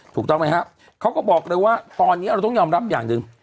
ถูกต้องไหมครับเขาก็บอกเลยว่าตอนนี้เราต้องยอมรับอย่างหนึ่ง